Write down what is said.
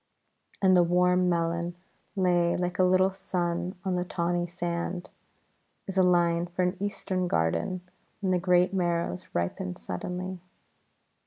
"And the warm melon lay like a little sun on the tawny sand," is a line for an Eastern garden when the great marrows ripen suddenly.